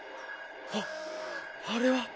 あっ「あれ」は！